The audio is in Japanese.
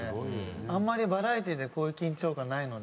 あんまりバラエティーでこういう緊張感ないので。